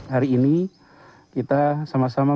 hari ini kita sama sama